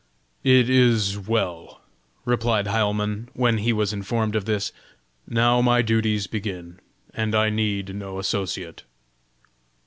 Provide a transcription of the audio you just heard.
"It is well," replied Heilmann, when he was informed of this; "now my duties begin, and I need no associate."